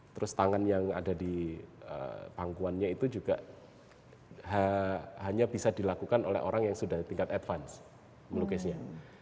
terus tangan yang ada di pangkuannya itu juga hanya bisa dilakukan oleh orang yang sudah tingkat advance melukisnya